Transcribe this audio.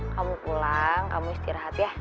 kamu pulang kamu istirahat ya